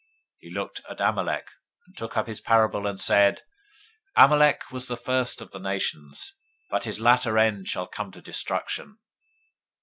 024:020 He looked at Amalek, and took up his parable, and said, Amalek was the first of the nations, But his latter end shall come to destruction.